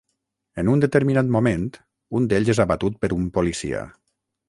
En un determinat moment, un d'ells és abatut per un policia.